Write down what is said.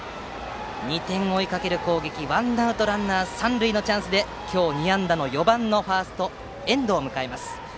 ２点を追いかける攻撃ワンアウトランナー、三塁のチャンスで今日２安打の４番のファースト遠藤を迎えます。